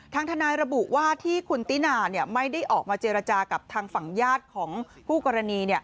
ทางทนายระบุว่าที่คุณตินาไม่ได้ออกมาเจรจากับทางฝั่งญาติของคู่กรณี